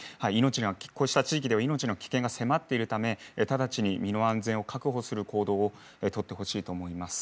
こうした地域では命に危険が迫っているため直ちに身の安全を確保する行動を取ってほしいと思います。